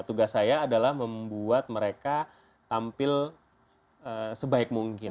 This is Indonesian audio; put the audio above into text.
tugas saya adalah membuat mereka tampil sebaik mungkin